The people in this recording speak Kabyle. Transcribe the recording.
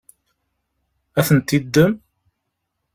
Ad tent-yeddem?